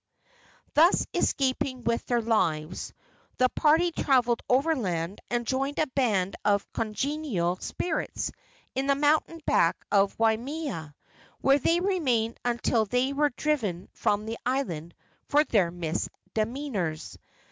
Thus escaping with their lives, the party traveled overland and joined a band of congenial spirits in the mountains back of Waimea, where they remained until they were driven from the island for their misdemeanors.